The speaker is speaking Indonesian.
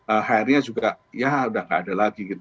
akhirnya juga ya sudah tidak ada lagi